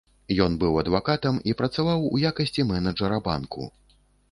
Ён быў адвакатам і працаваў у якасці менеджара банку.